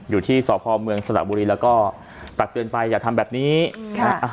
อยู่ที่สพเมืองสระบุรีแล้วก็ตักเตือนไปอย่าทำแบบนี้ค่ะอ่ะ